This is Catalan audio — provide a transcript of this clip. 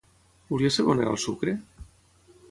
Volia saber on era el sucre?